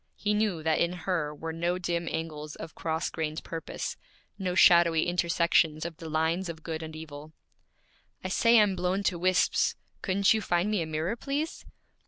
He knew that in her were no dim angles of cross grained purpose, no shadowy intersections of the lines of good and evil. 'I say I'm blown to wisps; couldn't you find me a mirror, please?'